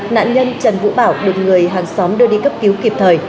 nạn nhân trần vũ bảo được người hàng xóm đưa đi cấp cứu kịp thời